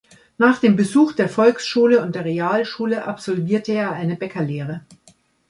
Nach dem Besuch der Volksschule und der Realschule absolvierte er eine Bäckerlehre.